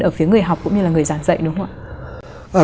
ở phía người học cũng như là người giảng dạy đúng không ạ